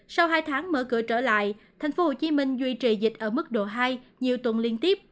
sau hai tháng mở cửa trở lại thành phố hồ chí minh duy trì dịch ở mức độ hai nhiều tuần liên tiếp